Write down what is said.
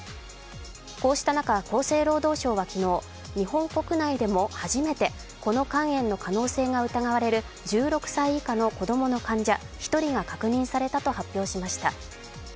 こうした中、厚生労働省は昨日日本国内でも初めてこの肝炎の可能性が疑われる１６歳以下の子供の患者１人が確認されたと発表しました。